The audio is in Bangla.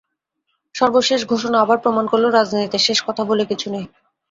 সর্বশেষ ঘোষণা আবার প্রমাণ করল, রাজনীতিতে শেষ কথা বলে কিছু নেই।